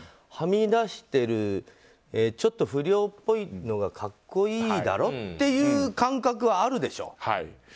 はみ出しているちょっと不良っぽいのが格好いいだろ？っていう感覚はあるでしょ。